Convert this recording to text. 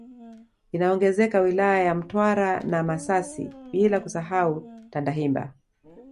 Inaongezeka wilaya ya Mtwara na Masasi bila kusahau Tandahimba